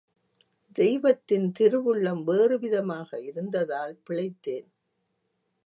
தெய்வத்தின் திருவுள்ளம் வேறு விதமாக இருந்ததால் பிழைத்தேன்.